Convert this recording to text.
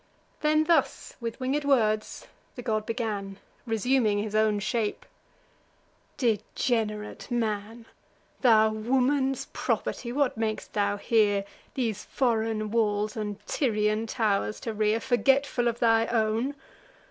Then thus, with winged words, the god began, Resuming his own shape: "Degenerate man, Thou woman's property, what mak'st thou here, These foreign walls and Tyrian tow'rs to rear, Forgetful of thy own?